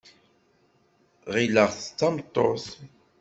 Ɣileɣ-t d tameṭṭut.